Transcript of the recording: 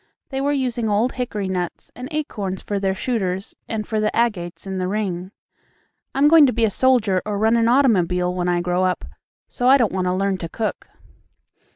They were using old hickory nuts and acorns for their shooters and for the agates in the ring. "I'm going to be a soldier or run an automobile when I grow up, so I don't want to learn to cook."